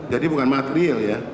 jadi bukan material ya